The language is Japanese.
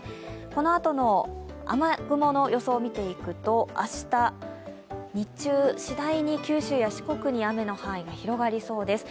このあとの雨雲の予想を見ていくと、明日、日中、しだいに九州や四国に雨の範囲が広がりそうです。